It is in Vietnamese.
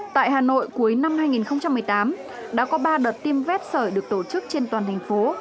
tại hà nội cuối năm hai nghìn một mươi tám đã có ba đợt tiêm vét sởi được tổ chức trên toàn thành phố